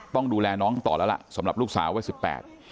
ต้องดูแลน้องต่อแล้วล่ะสำหรับลูกสาววัยสิบแปด